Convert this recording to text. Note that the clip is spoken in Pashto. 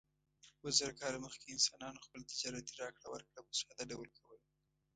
اووه زره کاله مخکې انسانانو خپل تجارتي راکړه ورکړه په ساده ډول کوله.